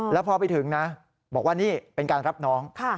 แล้วพอไปถึงนะบอกว่านี่เป็นการรับน้อง